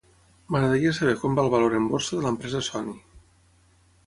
M'agradaria saber com va el valor en borsa de l'empresa Sony.